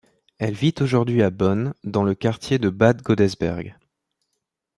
Elle vit aujourd'hui à Bonn, dans le quartier de Bad Godesberg.